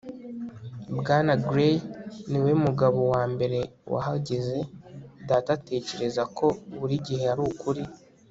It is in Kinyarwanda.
Bwana Gray niwe mugabo wambere wahageze Data atekereza ko buri gihe ari ukuri